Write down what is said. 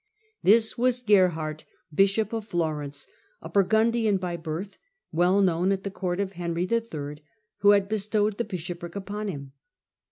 This was Gerhard, bishop of Florence, a Burgundian by birth, well known at the court of Henry m., who had bestowed the bishopric upon him.